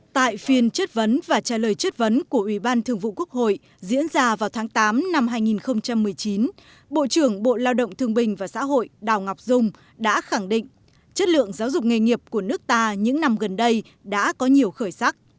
tại phiên chất vấn và trả lời chất vấn của ủy ban thường vụ quốc hội diễn ra vào tháng tám năm hai nghìn một mươi chín bộ trưởng bộ lao động thương bình và xã hội đào ngọc dung đã khẳng định chất lượng giáo dục nghề nghiệp của nước ta những năm gần đây đã có nhiều khởi sắc